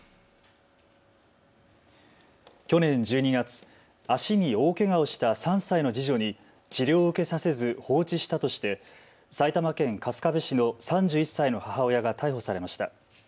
去年１２月、足に大けがをした３歳の次女に治療を受けさせず放置したとして埼玉県春日部市の３１歳の母親が逮捕されました。